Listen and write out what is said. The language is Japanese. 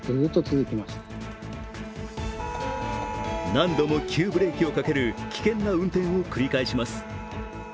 何度も急ブレーキをかける危険な運転を繰り返します。